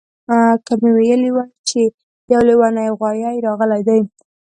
که مې ویلي وای چې یو لیونی غوایي راغلی دی